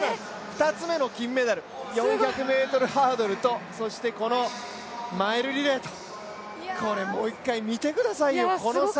２つ目の金メダル、４００ｍハードルとそしてこのマイルリレー、これもう一回見てくださいよ、この差。